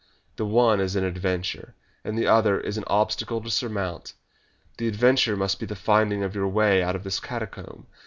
The one is an adventure, and the other is an obstacle to surmount. The adventure must be the finding of your way out of this catacomb.